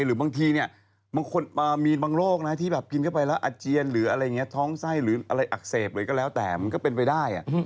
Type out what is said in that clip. หรือบางทีเนี่ยบางคนมีบางโรคนะที่แบบกินเข้าไปแล้วอาเจียนหรืออะไรอย่างนี้ท้องไส้หรืออะไรอักเสบเลยก็แล้วแต่มันก็เป็นไปได้